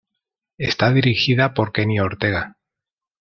Está dirigida por Kenny Ortega.